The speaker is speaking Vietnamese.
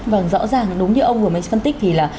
vâng rõ ràng đúng như ông vừa mới phân tích thì là